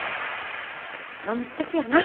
飲み過ぎやな。